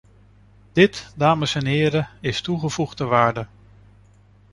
Dit, dames en heren, is toegevoegde waarde.